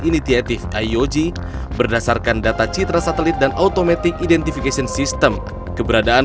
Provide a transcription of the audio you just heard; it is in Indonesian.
initiative iog berdasarkan data citra satelit dan automatic identification system keberadaan